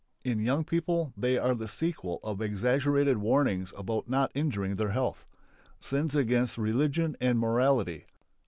In young people they are the sequel of exaggerated warnings about not injuring their health. Sins against religion and morality.